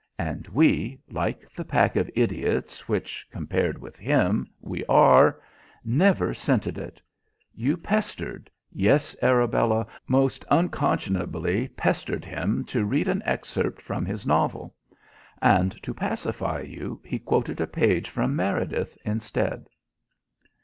And we, like the pack of idiots which compared with him we are, never scented it. You pestered yes, Arabella, most unconscionably pestered him to read an excerpt from his novel; and to pacify you he quoted a page from Meredith instead."